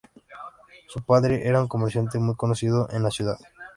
Su padre era un comerciante muy conocido en la ciudad.